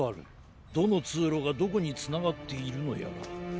どのつうろがどこにつながっているのやら。